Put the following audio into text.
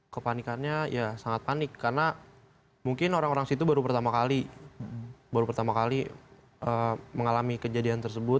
kepanikannya ya sangat panik karena mungkin orang orang situ baru pertama kali baru pertama kali mengalami kejadian tersebut